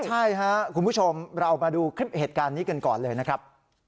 ใช่ครับคุณผู้ชมเรามาดูคลิปเหตุการณ์นี้กันก่อนเลยนะครับ